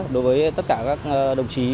đối với tất cả các đồng chí